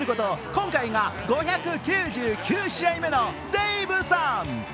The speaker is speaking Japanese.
今回が５９９試合目のデイブさん。